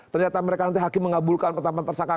ternyata mereka nanti hakim mengabulkan pertambahan tersangka